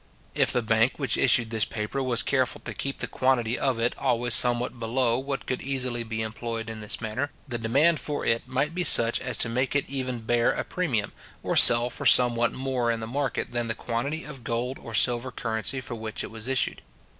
If the bank which issued this paper was careful to keep the quantity of it always somewhat below what could easily be employed in this manner, the demand for it might be such as to make it even bear a premium, or sell for somewhat more in the market than the quantity of gold or silver currency for which it was issued.